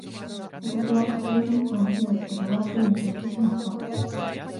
私は蚊取り線香に火をつけたが、すぐに消えてしまった